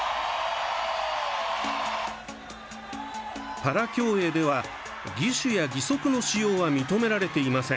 パラ競泳では義手や義足の使用は認められていません。